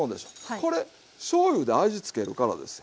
これしょうゆで味つけるからですよ。